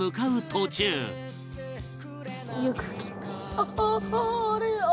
あっああ！